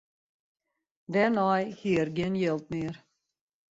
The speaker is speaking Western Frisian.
Dêrnei hie er gjin jild mear.